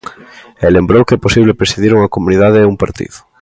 E lembrou que é posible presidir unha comunidade e un partido.